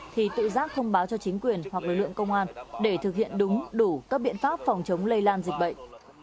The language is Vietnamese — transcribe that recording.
thì tự giác thông báo cho chính quyền hoặc lực lượng công an để thực hiện đúng đủ các biện pháp phòng chống lây lan dịch bệnh